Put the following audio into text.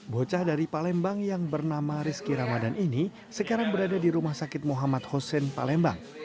bocah dari palembang yang bernama rizky ramadan ini sekarang berada di rumah sakit muhammad hussein palembang